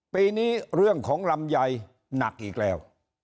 ปีนี้เรื่องของลำไยหนักอีกแล้ว